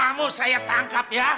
kamu saya tangkap ya